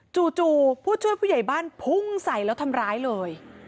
จู่ผู้ช่วยผู้ใหญ่บ้านพุ่งใส่แล้วทำร้ายเลย